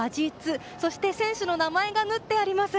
そして選手の名前が縫ってあります。